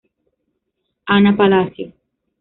Ana Palacio.